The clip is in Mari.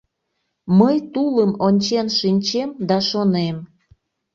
Мый тулым ончен шинчем да шонем: